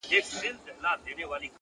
هره شېبه د ځان سمون فرصت دی.